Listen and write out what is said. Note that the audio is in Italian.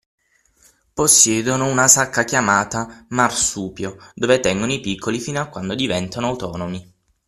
possiedono una sacca chiamata “Marsupio” dove tengono i piccoli fino a quando diventano autonomi.